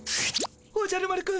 おじゃる丸くん。